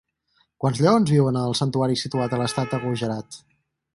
Quants lleons viuen en el santuari situat a l'estat de Gujarat?